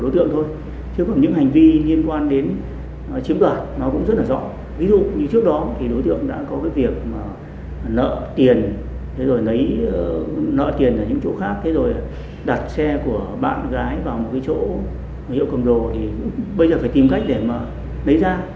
tiền lấy nợ tiền ở những chỗ khác đặt xe của bạn gái vào một chỗ cầm đồ bây giờ phải tìm cách để lấy ra